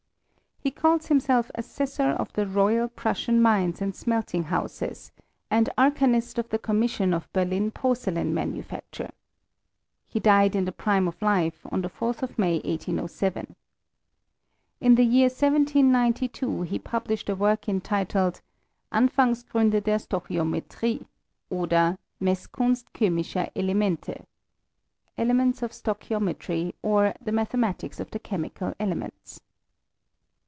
He calls himself Assessor of the Royal Prussian Mines and Smeltinghouses, and Arcanist of the Commission of Berlin Porcelain Manufacture. He died in the prime of life, on the 4th of May, 1807. In the year 1792 he published a work entitled " Anfansgriinde der Stochyometrie ; Oder, Messkunst Chymischer Elemente " (Elements of Stochiometry; or, the Mathematics of the Chemical Elements).